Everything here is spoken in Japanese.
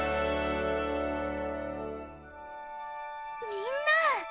みんな！